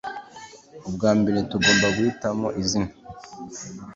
ubwa mbere, tugomba guhitamo izina